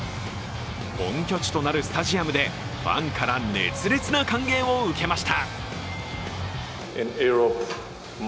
本拠地となるスタジアムでファンから熱烈な歓迎を受けました。